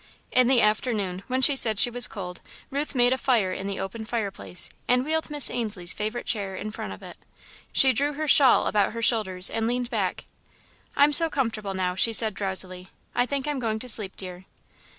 In the afternoon, when she said she was cold, Ruth made a fire in the open fireplace, and wheeled Miss Ainslie's favourite chair in front of it. She drew her shawl about her shoulders and leaned back. "I'm so comfortable, now," she said drowsily; "I think I'm going to sleep, dear."